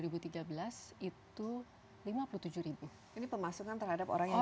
ini pemasungan terhadap orang yang gangguan jiwa berat